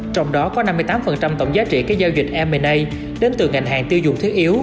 trong đó có năm mươi tám tổng giá trị các giao dịch m a đến từ ngành hàng tiêu dùng thiết yếu